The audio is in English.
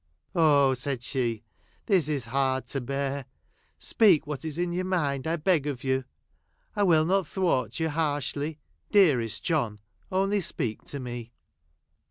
"Oh," said she, "this is hard to bear. Speak what is in your mind, I beg of you. I will not thwart you harshly ; dearest John, only speak to me."